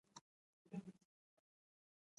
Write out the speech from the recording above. افغانستان کې نفت د نن او راتلونکي لپاره ارزښت لري.